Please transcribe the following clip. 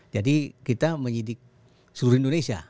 jadi kita menyidik seluruh indonesia